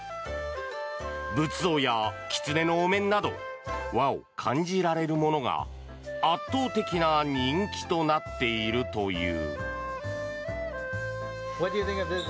仏像やキツネのお面など和を感じられるものが圧倒的な人気となっているという。